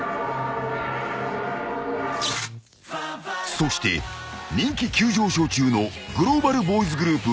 ［そして人気急上昇中のグローバルボーイズグループ